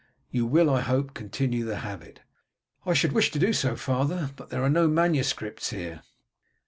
You will, I hope, continue the habit." "I should wish to do so, father, but there are no manuscripts here."